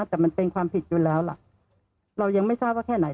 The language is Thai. แต่มันเป็นความผิดอยู่แล้วล่ะเรายังไม่ทราบว่าแค่ไหน